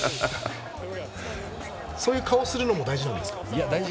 そういう顔するのも大事なんですか？